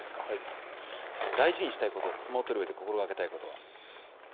大事にしたいこと相撲で心がけたいことは？